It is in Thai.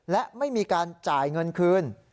และไม่มีการจ่ายเงินคืน